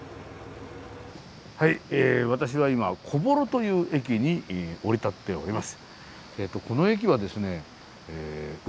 はい私は今小幌という駅に降り立っております。